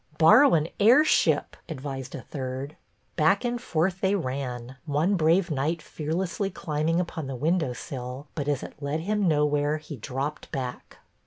" Borrow an airship," advised a third. Back and forth they ran, one brave knight HALLOWE'EN 1 29 fearlessly climbing upon the window sill, but as it led him nowhere he dropped back.